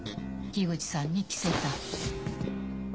木口さんに着せた。